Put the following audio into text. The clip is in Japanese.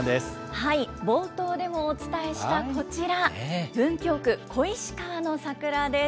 冒頭でもお伝えしたこちら、文京区小石川の桜です。